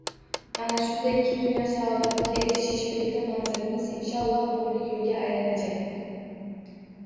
Ana shunda ikki dunyo saodatiga erishish yo‘lidagi manzilimiz inshaalloh nurli yo‘lga aylanajakdir!